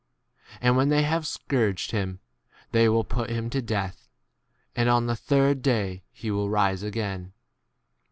And when they have scourg ed [him] they will put him to death ; and on the third day he 34 will rise again.